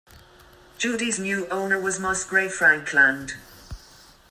Judy's new owner was Musgrave Frankland.